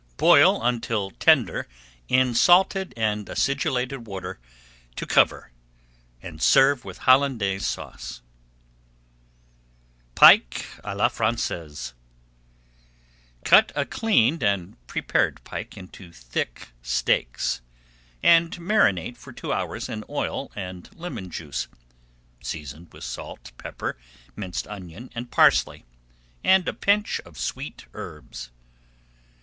Boil until tender in salted and acidulated water to cover and serve with Hollandaise Sauce. [Page 251] PIKE À LA FRANÇAISE Cut a cleaned and prepared pike into thick steaks, and marinate for two hours in oil and lemon juice, seasoned with salt, pepper, minced onion and parsley, and a pinch of sweet herbs.